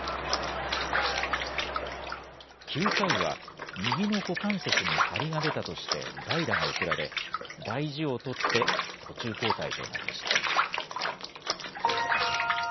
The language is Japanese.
９回は、右の股関節に張りが出たとして、代打が送られ、大事をとって途中交代となりました。